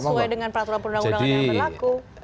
sesuai dengan peraturan penduduk yang berlaku